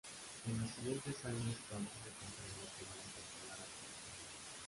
En los siguientes años pronto se confirmó como un popular actor.